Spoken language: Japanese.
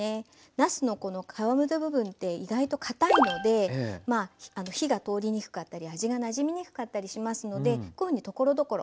なすのこの皮の部分って意外とかたいので火が通りにくかったり味がなじみにくかったりしますのでこういうふうにところどころ。